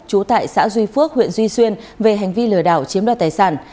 trú tại xã duy phước huyện duy xuyên về hành vi lừa đảo chiếm đoạt tài sản